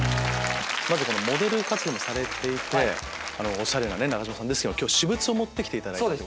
まずモデル活動もされていておしゃれな中島さんですけど今日私物を持って来ていただいた。